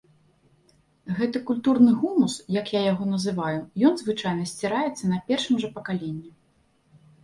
Гэты культурны гумус, як я яго называю, ён звычайна сціраецца на першым жа пакаленні.